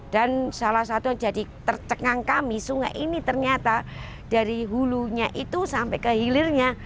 dan salah satu yang jadi tercengang kami sungai ini ternyata dari hulunya itu sampai ke hilirnya